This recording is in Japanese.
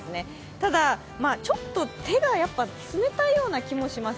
ただ、ちょっと手がやっぱり冷たいような気もします。